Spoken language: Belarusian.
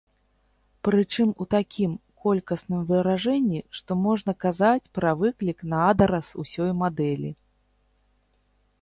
Прычым у такім колькасным выражэнні, што можна казаць пра выклік на адрас усёй мадэлі.